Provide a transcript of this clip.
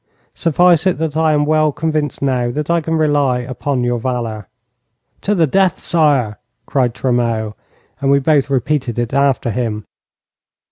Suffice it that I am well convinced now that I can rely upon your valour.' 'To the death, sire!' cried Tremeau, and we both repeated it after him.